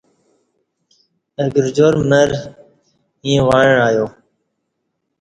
اہ گرجار مر ییں وعݩع ایا